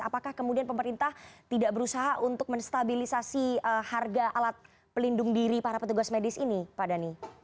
apakah kemudian pemerintah tidak berusaha untuk menstabilisasi harga alat pelindung diri para petugas medis ini pak dhani